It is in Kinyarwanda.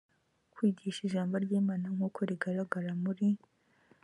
kwigisha ijambo ry imana nk uko rigaragara muri